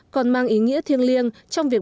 còn mang ý nghĩa thiêng liêng trong việc